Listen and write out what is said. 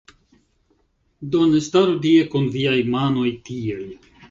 Do ne staru tie kun viaj manoj tiel